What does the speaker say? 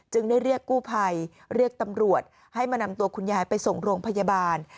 ได้เรียกกู้ภัยเรียกตำรวจให้มานำตัวคุณยายไปส่งโรงพยาบาล